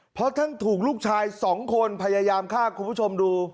เพราะท่านถูกลูกชาย๒คนพยายามฆ่าคุณผู้ชมดู